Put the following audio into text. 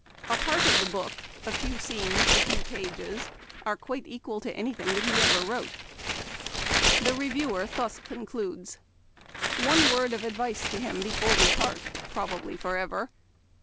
A part of the book, a few scenes, a few pages, are quite equal to any thing that he ever wrote." The reviewer thus concludes :" One word of advice to him before we part, probably, forever.